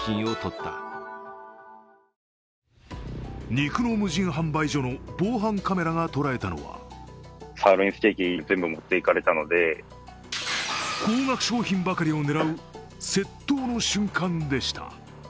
肉の無人販売所の防犯カメラが捉えたのは高額商品ばかりを狙う窃盗の瞬間でした。